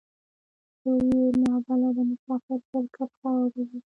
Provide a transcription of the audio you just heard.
څوک يې نا بلده مسافر پر کرښه اړوي.